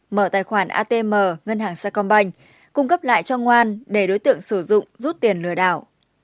mở tài khoản atm ngân hàng sacombank cung cấp lại cho ngoan để đối tượng sử dụng rút tiền lừa đảo